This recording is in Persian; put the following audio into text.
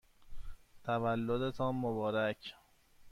تولدتان مبارک!